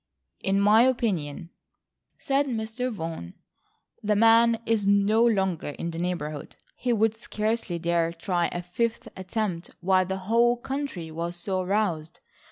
"In my opinion," said Mr. Vaughan, "the man is no longer in the neighbourhood. He would scarcely dare try a fifth attempt while the whole country was so aroused.